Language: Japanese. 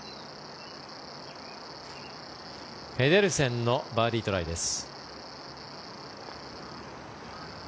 ペデルセンのバーディートライです。